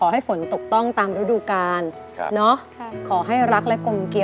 หมายเลข